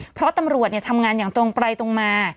เพราะตำรวจทำงานอย่างตรงไปตรงมา